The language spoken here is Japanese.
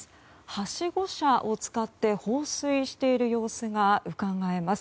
はしご車を使って放水している様子がうかがえます。